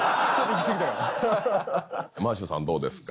マーシュさんどうですか？